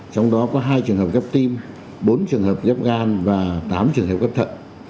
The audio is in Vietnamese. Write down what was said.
trong đó có hai trường hợp ghép tim bốn trường hợp ghép gan và tám trường hợp ghép thận